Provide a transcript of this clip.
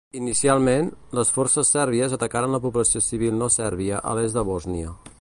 Inicialment, les forces sèrbies atacaren la població civil no sèrbia a l'est de Bòsnia.